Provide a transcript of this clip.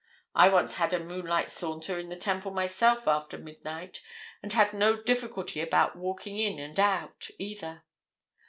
I once had a moonlight saunter in the Temple myself after midnight, and had no difficulty about walking in and out, either.